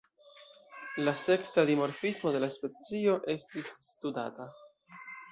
La seksa dimorfismo de la specio estis studata.